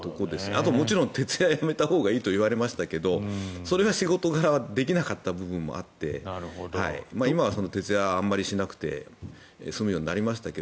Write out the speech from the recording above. あともちろん徹夜をやめたほうがいいといわれましたがそれは仕事柄できなかった部分があって今は徹夜はあまりしなくて済むようになりましたが。